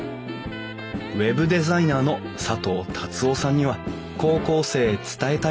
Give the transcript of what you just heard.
ウェブデザイナーの佐藤達夫さんには高校生へ伝えたいことがありました